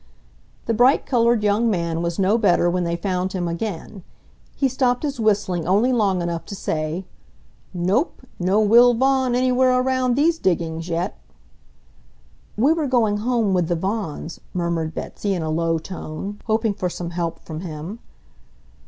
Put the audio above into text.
The bright colored young man was no better when they found him again. He stopped his whistling only long enough to say, "Nope, no Will Vaughan anywhere around these diggings yet." "We were going home with the Vaughans," murmured Betsy, in a low tone, hoping for some help from him.